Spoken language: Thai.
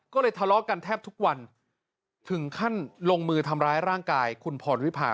ก็เลยทะเลาะกันแทบทุกวันถึงขั้นลงมือทำร้ายร่างกายคุณพรวิพา